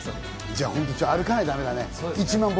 じゃあ、歩かないとだめだね。